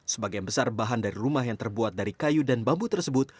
sebagian besar bahan dari rumah yang terbuat dari kayu dan bambu tersebut